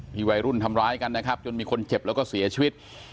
วัยรุ่นทำร้ายกันนะครับจนมีคนเจ็บแล้วก็เสียชีวิต